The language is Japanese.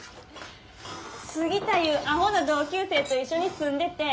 杉田いうアホな同級生と一緒に住んでて。